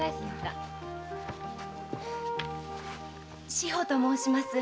志保と申します。